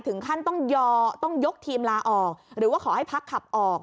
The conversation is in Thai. ถึงขั้นต้องยกทีมลาออกหรือว่าขอให้พักขับออก